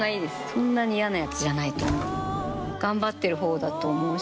そんなに嫌なやつじゃないと思う。